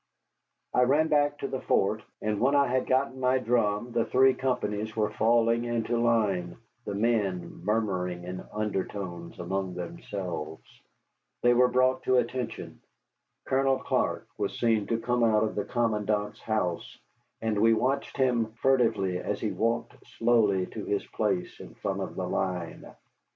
I ran back to the fort, and when I had gotten my drum the three companies were falling into line, the men murmuring in undertones among themselves. They were brought to attention. Colonel Clark was seen to come out of the commandant's house, and we watched him furtively as he walked slowly to his place in front of the line.